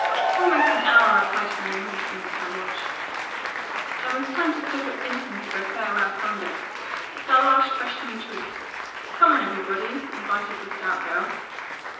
"Almost an hour," replied Miriam, looking at her watch. "Then we've time to stop at Vinton's for a farewell sundae. It's our last freshman treat. Come on, everybody," invited the stout girl.